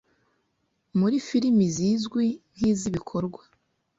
muri filimi zizwi nk’iz’ibikorwa